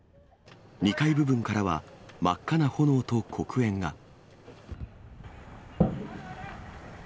２階部分からは、真っ赤な炎と黒煙が。